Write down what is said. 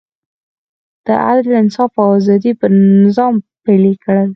د عدل، انصاف او ازادۍ نظام پلی کړ.